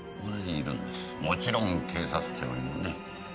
もちろん警察庁にもね。